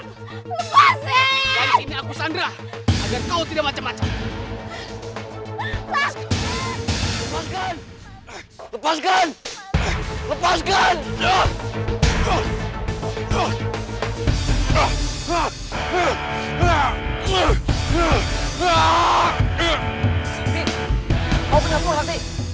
lepasin aku sandra agar kau tidak macam macam